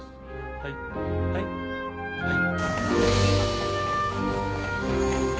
はいはい⁉はい。